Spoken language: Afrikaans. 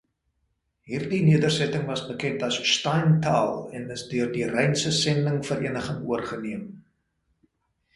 Hierdie nedersetting was bekend as Steinthal en is deur die Rynse Sendingvereniging oorgeneem.